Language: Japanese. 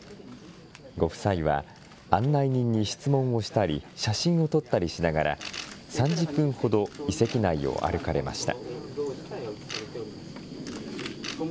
ご夫妻は案内人に質問をしたり、写真を撮ったりしながら、３０分ほど遺跡内を歩かれました。